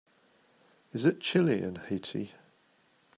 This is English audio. Is it chilly in Haiti